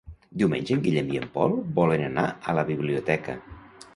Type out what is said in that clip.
Diumenge en Guillem i en Pol volen anar a la biblioteca.